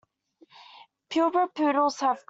Pure bred poodles have curls.